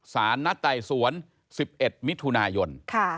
สารนัดไต่สวน๑๑มิถุนายน